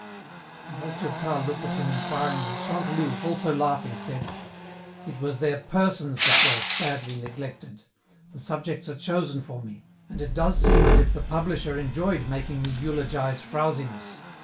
And as Durtal looked at him inquiringly, Chantelouve, also laughing, said, "It was their persons that were sadly neglected. The subjects are chosen for me, and it does seem as if the publisher enjoyed making me eulogize frowziness.